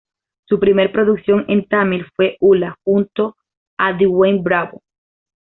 Su primer producción en tamil fue "Ula" junto a Dwayne Bravo.